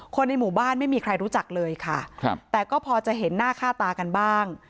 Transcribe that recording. ในหมู่บ้านไม่มีใครรู้จักเลยค่ะครับแต่ก็พอจะเห็นหน้าค่าตากันบ้าง